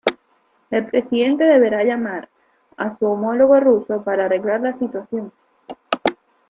El Presidente deberá llamar a su homólogo ruso para arreglar la situación.